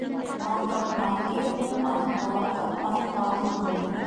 Мал тапмаҫ ир булмаҫ, бала тапмаҫ ҡатын булмаҫ.